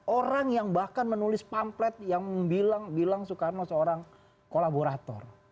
orang yang bahkan menulis pamplet yang bilang bilang soekarno seorang kolaborator